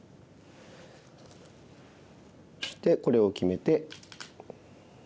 そしてこれを決めて。